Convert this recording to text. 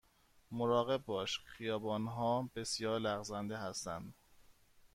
مراقب باش، خیابان ها بسیار لغزنده هستند.